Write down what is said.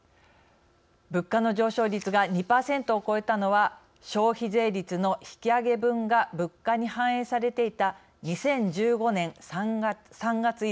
物価の上昇率が２％を超えたのは消費税率の引き上げ分が物価に反映されていた